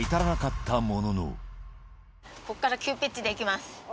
ここから急ピッチでいきます。